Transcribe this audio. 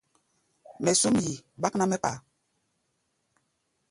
Mɛ súm yi, gbák ná mɛ́ kpaá.